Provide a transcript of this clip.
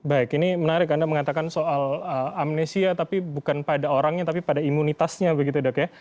baik ini menarik anda mengatakan soal amnesia tapi bukan pada orangnya tapi pada imunitasnya begitu dok ya